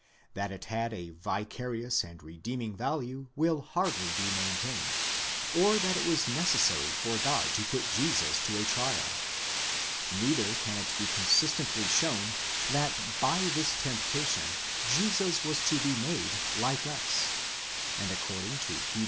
That it had a vicarious and redeeming value will hardly be maintained, or that it was necessary for God to put Jesus to a trial; neither can it be consistently shown that by this temptation Jesus was to be made like us, and, according to Heb.